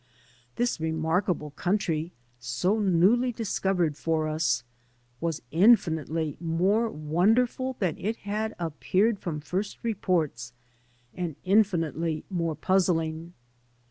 This remarkable country, so newly discovered for us, was infinitely more wonderful than it had appeared from first reports, and infinitely more puzzling.